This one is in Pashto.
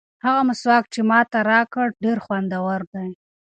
هغه مسواک چې تا ماته راکړ ډېر خوندور دی.